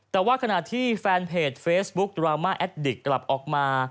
แต่ว่าขณะที่แฟนเพจเฟซบุ๊กดราม่าแอดดิกกลับออกมา